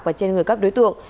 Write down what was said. và trên người các đối tượng